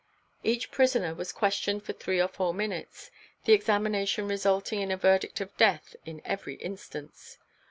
Each prisoner was questioned for three or four minutes, the examination resulting in a verdict of death in every instance.